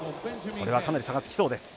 これはかなり差がつきそうです。